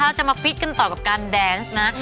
เราจะมาฟิตต่อกับการแดนส์นะ